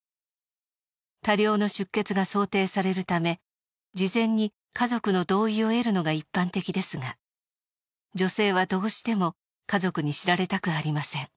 多量の出血が想定されるため事前に家族の同意を得るのが一般的ですが女性はどうしても家族に知られたくありません。